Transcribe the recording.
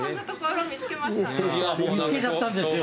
見つけちゃったんですよ。